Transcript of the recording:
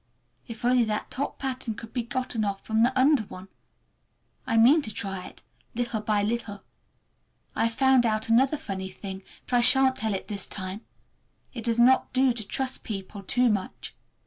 If only that top pattern could be gotten off from the under one! I mean to try it, little by little. I have found out another funny thing, but I shan't tell it this time! It does not do to trust people too much.